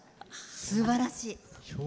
すばらしい。